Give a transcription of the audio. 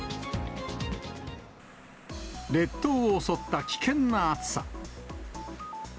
列島を襲った危険な暑さ。